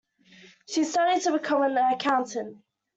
She studied to become an accountant.